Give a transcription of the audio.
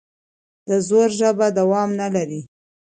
د زور ژبه دوام نه لري